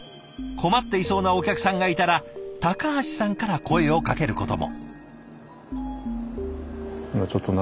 困っていそうなお客さんがいたら橋さんから声をかけることも。